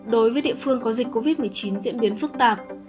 đối với địa phương có dịch covid một mươi chín diễn biến phức tạp